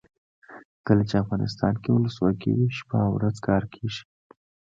کله چې افغانستان کې ولسواکي وي شپه او ورځ کار کیږي.